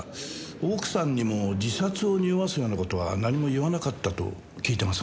奥さんにも自殺をにおわすような事は何も言わなかったと聞いてますが。